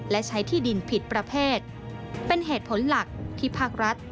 และใช้ที่ดินผิดประเภทเป็นเหตุผลหลักที่ภาครัฐ